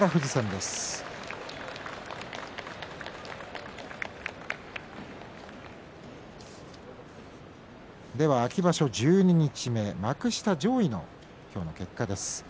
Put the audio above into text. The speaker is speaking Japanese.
では秋場所十二日目幕下上位の今日の結果です。